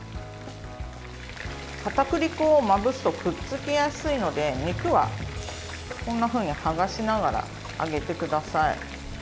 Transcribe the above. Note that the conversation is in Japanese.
かたくり粉をまぶすとくっつきやすいので肉はこんなふうに剥がしながら揚げてください。